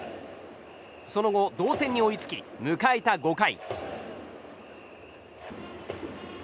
その後、同点に追いつき迎えた５回。